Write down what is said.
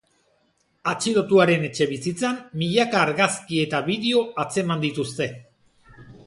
Atxilotuaren etxebizitzan milaka argazki eta bideo atzeman dituzte.